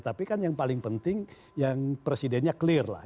tapi kan yang paling penting yang presidennya clear lah